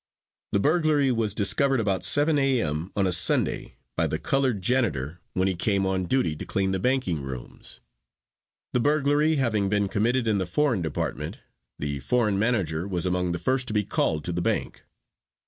The "burglary" was discovered about 7:00 A. M. on a Sunday by the colored janitor when he came on duty to clean the banking rooms. The "burglary" having been committed in the foreign department, the foreign manager was among the first to be called to the bank.